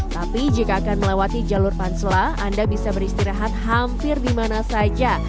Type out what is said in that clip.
tapi jika akan melewati jalur pansela anda bisa beristirahat hampir di mana saja